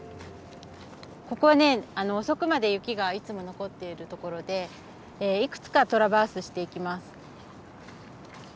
ここはね遅くまで雪がいつも残っているところでいくつかトラバースしていきます。